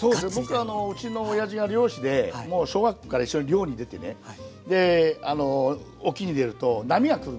僕うちのおやじが漁師でもう小学校から一緒に漁に出てねで沖に出ると波が来るんですよ。